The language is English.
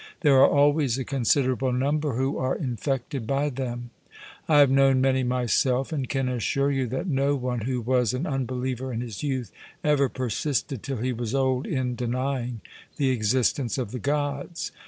There are always a considerable number who are infected by them: I have known many myself, and can assure you that no one who was an unbeliever in his youth ever persisted till he was old in denying the existence of the Gods.